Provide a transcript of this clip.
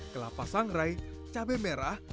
kelapa sangrai cabai merah